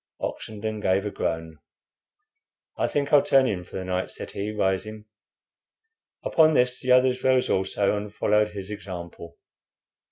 Oxenden gave a groan. "I think I'll turn in for the night," said he, rising. Upon this the others rose also and followed his example.